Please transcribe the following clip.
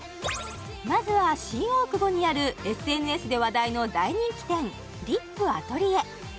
まずは新大久保にあるＳＮＳで話題の大人気店ＬＩＰＡＴＥＬＩＥＲ